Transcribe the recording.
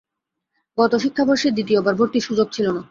গত শিক্ষাবর্ষে দ্বিতীয়বার ভর্তির সুযোগ ছিল না।